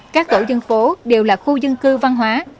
các tổ dân phố đều là khu dân cư văn hóa